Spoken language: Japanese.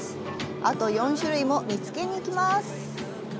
あと４種類も見つけに行きます！